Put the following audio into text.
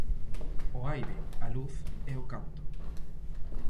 O aire, a luz e o canto.